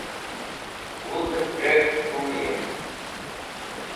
wuz'ep rek̃hk humyem